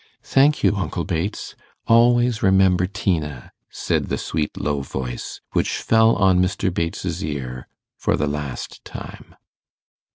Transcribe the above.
'Thank you, uncle Bates; always remember Tina,' said the sweet low voice, which fell on Mr. Bates's ear for the last time.